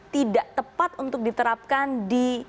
tidak tepat untuk diterapkan di